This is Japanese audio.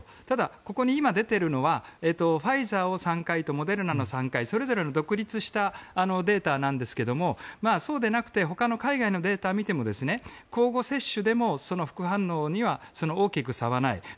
ただ、今ここに出ているのはファイザーを３回モデルナを３回それぞれ独立したデータなんですがそうでなくてほかの海外のデータを見ても交互接種でもその副反応には大きく差はない。